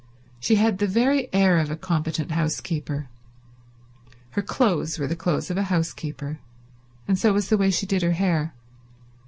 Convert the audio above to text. She had the very air of a competent housekeeper. Her clothes were the clothes of a housekeeper, and so was the way she did her hair.